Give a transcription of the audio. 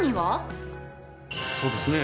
そうですね。